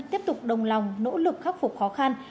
tiếp tục đồng lòng nỗ lực khắc phục khó khăn